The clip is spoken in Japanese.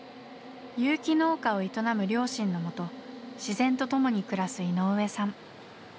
有機農家を営む両親のもと自然と共に暮らす井上さん。